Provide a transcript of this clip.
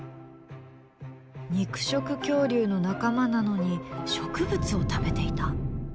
肉食恐竜の仲間なのに植物を食べていた？